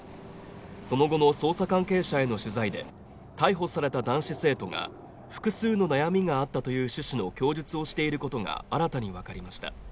その後の捜査関係者への取材で、逮捕された男子生徒が複数の悩みがあったという趣旨の供述をしていることが新たに分かりました。